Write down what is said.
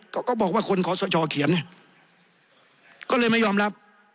ก็ก็บอกว่าคนขอสชเขียนไงก็เลยไม่ยอมรับ